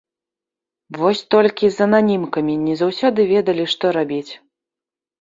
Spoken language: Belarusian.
Вось толькі з ананімкамі не заўсёды ведалі, што рабіць.